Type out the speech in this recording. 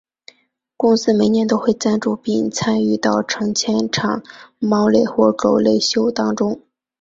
公司每年都会赞助并参与到成千场猫类或狗类秀当中。